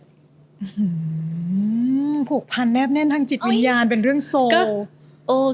อืมผูกพันแนบแน่นทางจิตวิญญาณเป็นเรื่องโศก